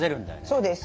そうです。